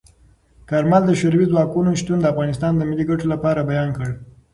کارمل د شوروي ځواکونو شتون د افغانستان د ملي ګټو لپاره بیان کړ.